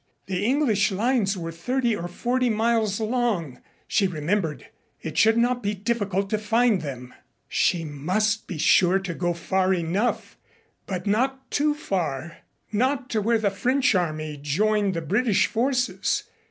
The English lines were thirty or forty miles long, she remembered. It should not be difficult to find them. She must be sure to go far enough but not too far not to where the French army joined the British forces.